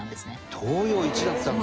東洋一だったんだ！